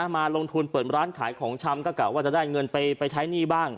มาลงทุนเปิดร้านขายของชำก็กะว่าจะได้เงินไปใช้หนี้บ้าง